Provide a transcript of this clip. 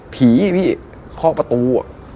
ผีอี้ข้อประตู